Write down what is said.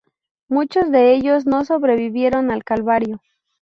Muchos de ellos no sobrevivieron al calvario.